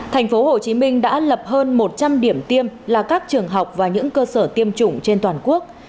tp hcm đã lập hơn một trăm linh điểm tiêm là các trường học và những cơ sở tiêm chủng trên toàn quốc